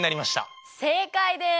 正解です。